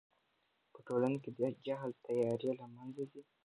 په ټولنه کې د جهل تیارې له منځه ځي.